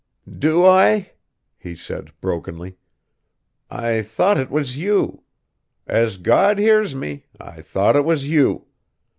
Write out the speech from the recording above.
"Do I?" he said brokenly; "I thought 't was you! As God hears me, I thought 't was you!